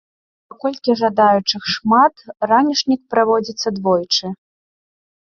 Паколькі жадаючых шмат, ранішнік праводзіцца двойчы.